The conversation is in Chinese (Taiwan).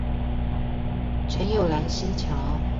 陳有蘭溪橋